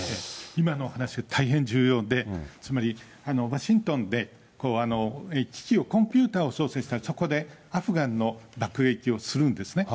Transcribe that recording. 今のお話、大変重要で、つまり、ワシントンで機器を、コンピューターを操作して、そこでアフガンの爆撃をするんですね。